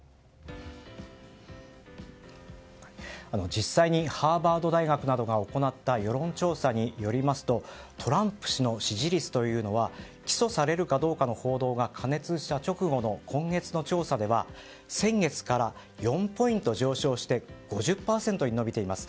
実際にハーバード大学などが行った世論調査によりますとトランプ氏の支持率というのは起訴されるかどうかの報道が加熱した直後の今月の調査では先月から４ポイント上昇して５０％に伸びています。